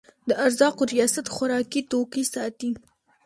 د ارزاقو ریاست خوراکي توکي ساتي